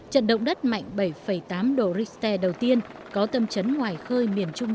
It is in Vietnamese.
trận động đất mạnh bảy tám độ richter đầu tiên có tâm trấn ngoài khơi miền trung